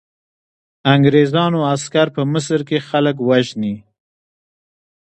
انګریزانو عسکر په مصر کې خلک وژني.